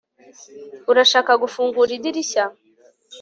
urashaka gufunga idirishya